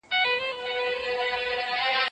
ولي کندهار کي د صنعت لپاره ثبات مهم دی؟